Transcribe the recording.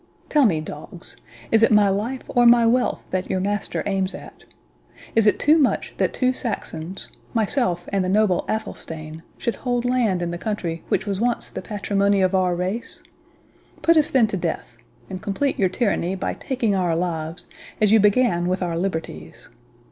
Tell me, dogs—is it my life or my wealth that your master aims at? Is it too much that two Saxons, myself and the noble Athelstane, should hold land in the country which was once the patrimony of our race?—Put us then to death, and complete your tyranny by taking our lives, as you began with our liberties.